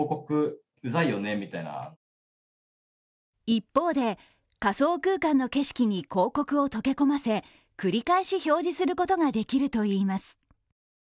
一方で、仮想空間の景色に広告を溶け込ませ繰り返し表示することができるといいます。